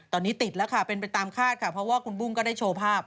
ตอนนี้ติดแล้วค่ะเป็นไปตามคาดค่ะเพราะว่าคุณบุ้งก็ได้โชว์ภาพ